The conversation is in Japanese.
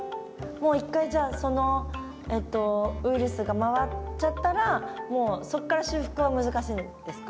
もう一回じゃあそのウイルスが回っちゃったらもうそこから修復は難しいんですか？